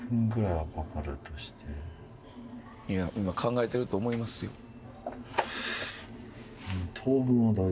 今考えてると思いますよ。